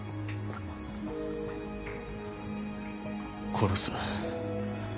殺す。